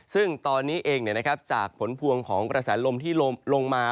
ซึ่งตอนนี้เองจากผลพวงของกระแสลมที่ลงมา